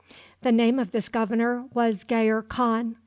The name of this governor was Gayer Khan.